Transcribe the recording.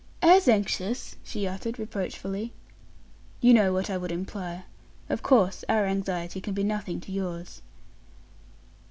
"As anxious!" she uttered reproachfully. "You know what I would imply. Of course our anxiety can be as nothing to yours."